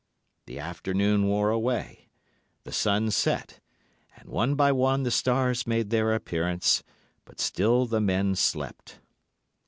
The afternoon wore away, the sun set, and one by one the stars made their appearance, but still the men slept.